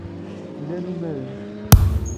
Llan umaren.